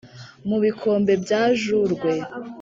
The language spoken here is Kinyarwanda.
mu bikombe bya jurwe